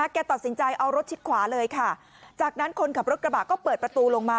แกตัดสินใจเอารถชิดขวาเลยค่ะจากนั้นคนขับรถกระบะก็เปิดประตูลงมา